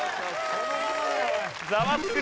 ザワつく！